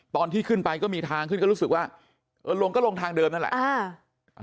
ตอนที่ขึ้นไปก็มีทางขึ้นก็รู้สึกว่าเออลงก็ลงทางเดิมนั่นแหละอ่า